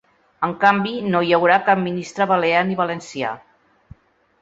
En canvi, no hi haurà cap ministre balear ni valencià.